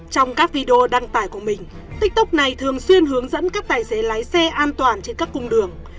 trong các video đăng tải của mình tiktok này thường xuyên hướng dẫn các tài xế lái xe an toàn trên các cung đường